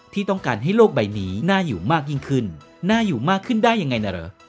ที่ต้องการให้โลกใบนี้น่าอยู่มากยิ่งขึ้นน่าอยู่มากขึ้นได้ยังไงนะเหรอ